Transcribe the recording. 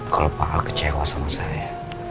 kalau pak al kecewas sama saya